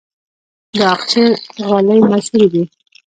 د اقچې غالۍ مشهورې دي